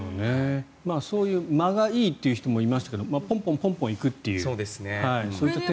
そういう間がいいという人もいましたけどポンポン行くということも。